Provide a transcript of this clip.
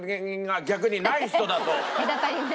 隔たりね。